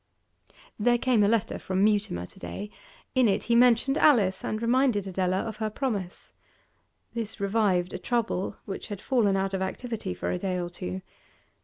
There came a letter from Mutimer to day; in it he mentioned Alice and reminded Adela of her promise. This revived a trouble which had fallen out of activity for a day or two.